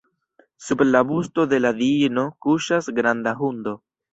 Sub la busto de la diino kuŝas granda hundo.